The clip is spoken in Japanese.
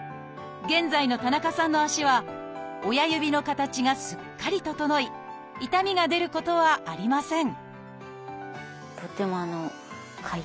現在の田中さんの足は親指の形がすっかり整い痛みが出ることはありません